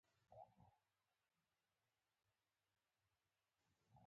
دا ډېرې خبرې د ښځو زده وي.